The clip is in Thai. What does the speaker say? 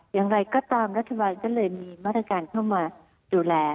อย่างไรก็ตามรัฐบาลก็เลยมีมาตรการเข้ามาดูแล